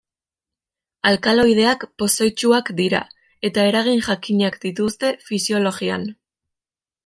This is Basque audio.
Alkaloideak pozoitsuak dira eta eragin jakinak dituzte fisiologian.